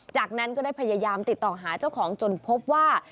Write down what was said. จากนั้นก็ได้พยายามติดต่อหาเจ้าของจนพบว่า